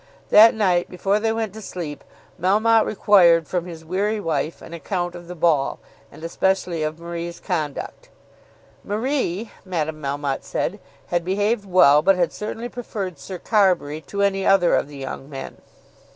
That night before they went to sleep Melmotte required from his weary wife an account of the ball, and especially of Marie's conduct. "Marie," Madame Melmotte said, "had behaved well, but had certainly preferred 'Sir Carbury' to any other of the young men."